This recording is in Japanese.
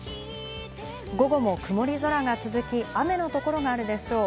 午後も曇り空が続き雨の所があるでしょう。